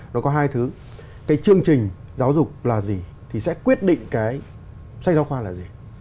nó có hai thứ cái chương trình giáo dục là gì thì sẽ quyết định cái sách giáo khoa là gì